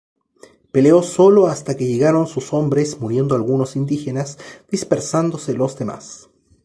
Peleó solo hasta que llegaron sus hombres muriendo algunos indígenas, dispersándose los demás.